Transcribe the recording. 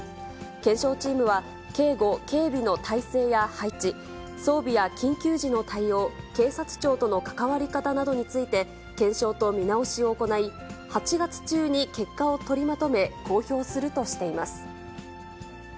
検証チームは、警護警備の体制や配置、装備や緊急時の対応、警察庁との関わり方などについて、検証と見直しを行い、８月中に結果を取りまとめ、公表するとしています。